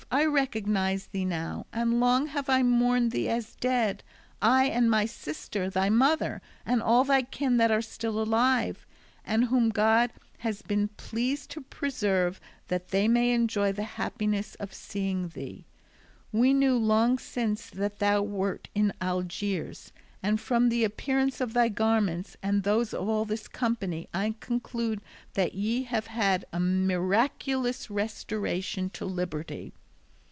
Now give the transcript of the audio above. I recognise thee now; and long have I mourned thee as dead, I, and my sister, thy mother, and all thy kin that are still alive, and whom God has been pleased to preserve that they may enjoy the happiness of seeing thee. We knew long since that thou wert in Algiers, and from the appearance of thy garments and those of all this company, I conclude that ye have had a miraculous restoration to liberty."